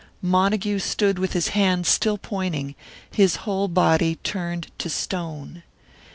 Montague stood with his hand still pointing, his whole body turned to stone.